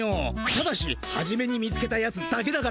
ただしはじめに見つけたやつだけだからな。